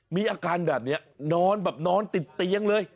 มีอาการแบบนี้นอนแบบนอนติดเตียงเลย